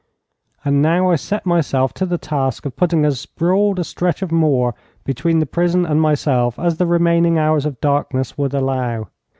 And now I set myself to the task of putting as broad a stretch of moor between the prison and myself as the remaining hours of darkness would allow.